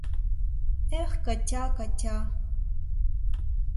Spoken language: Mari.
— Эх, Катя, Катя!..